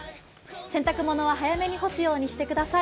洗濯物は早めに干すようにしてください。